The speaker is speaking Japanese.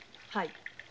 はい。